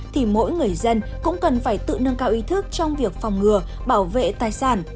thì mỗi người dân cũng cần phải tự nâng cao ý thức trong việc phòng ngừa bảo vệ tài sản